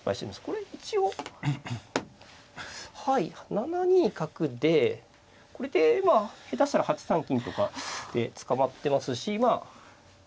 これ一応はい７ニ角でこれでまあ下手したら８三金とかで捕まってますし。